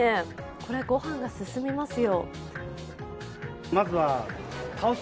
これはご飯が進みますよ。